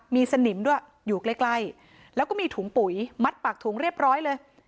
มีสนิมด้วยอยู่ใกล้แล้วก็มีถุงปุ๋ยมัดปากถุงเรียบร้อยเลย